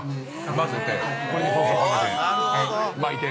◆混ぜて、これにソースをかけて巻いて？